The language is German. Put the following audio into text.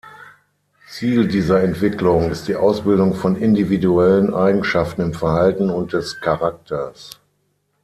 Ziel dieser Entwicklung ist die Ausbildung von individuellen Eigenschaften im Verhalten und des Charakters.